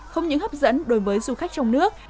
không những hấp dẫn đối với du khách trong nước